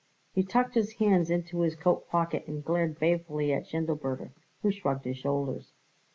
He tucked his hands into his coat pocket and glared balefully at Schindelberger, who shrugged his shoulders.